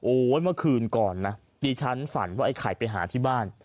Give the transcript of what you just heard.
เมื่อคืนก่อนนะดิฉันฝันว่าไอ้ไข่ไปหาที่บ้าน